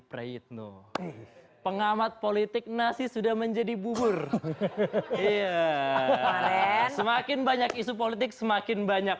prayitno pengamat politik nasi sudah menjadi bubur iya semakin banyak isu politik semakin banyak